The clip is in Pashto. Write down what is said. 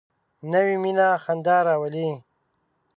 نوې مینه خندا راولي